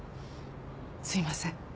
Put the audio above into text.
すいません